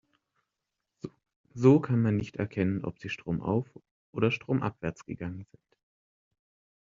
So kann man nicht erkennen, ob sie stromauf- oder stromabwärts gegangen sind.